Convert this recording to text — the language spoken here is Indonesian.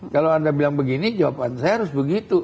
kalau anda bilang begini jawaban saya harus begitu